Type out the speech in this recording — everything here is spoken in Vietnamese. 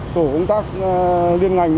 của tổ công tác liên ngành một một